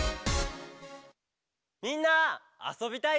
「みんなあそびたい？」